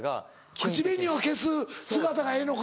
口紅を消す姿がええのか。